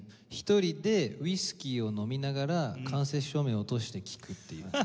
１人でウイスキーを飲みながら間接照明を落として聴くっていう。